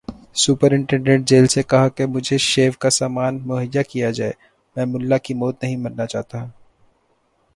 Superintendent jail سے کہا کہ مجھے شیو کا سامان مہیا کیا جائے، میں ملا کی موت نہیں مرنا چاہتا۔